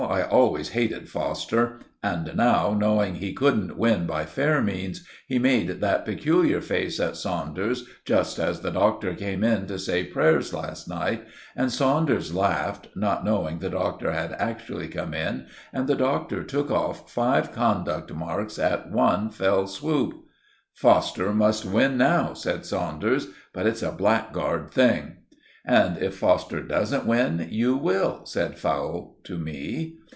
"I always hated Foster, and now, knowing he couldn't win by fair means, he made that peculiar face at Saunders just as the Doctor came in to say prayers last night; and Saunders laughed, not knowing the Doctor had actually come in; and the Doctor took off five conduct marks at one fell swoop." "Foster must win now," said Saunders. "But it's a blackguard thing." "And if Foster doesn't win, you will," said Fowle to me.